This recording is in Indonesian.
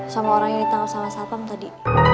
sama orang yang ditangkap sama satpam tadi